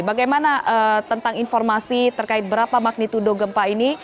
bagaimana tentang informasi terkait berapa magnitudo gempa ini